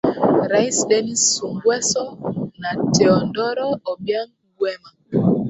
rais dennis sungweso na teondoro obiang gwema